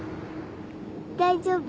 大丈夫。